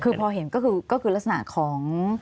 คือพอเห็นก็คือลักษณะของ